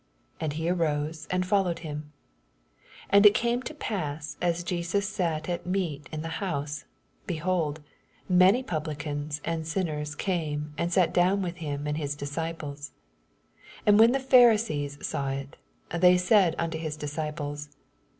And he arose, and followed him. 10 Ana it came to pass, as Oosus sat at meat in the house, behold, many Publicans and sinners came and sat down with him and his disciples. 11 And when the Pharisees saw U^ they said unto his disciples.